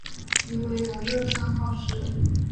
其为人乐善好施。